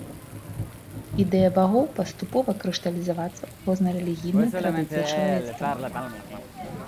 Ідэя багоў паступова крышталізавацца ў розныя рэлігійныя традыцыі чалавецтва.